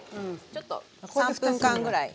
ちょっと３分間ぐらい。